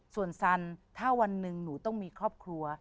ส่วนสันถ้าวันหนึ่งหนูต้องมีครอบครัว